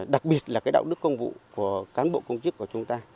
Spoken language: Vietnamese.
đặc biệt là cái đạo đức công vụ của cán bộ công chức của chúng ta